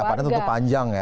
persiapan itu untuk panjang ya